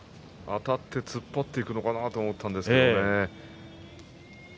あたって突っ張っていくのかなと思ったんですけどね。